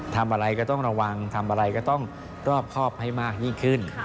ทำอะไรก็ต้องระวังทำอะไรก็ต้องรอบครอบให้มากยิ่งขึ้น